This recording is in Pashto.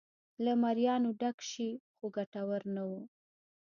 له مریانو ډک شي خو ګټور نه و.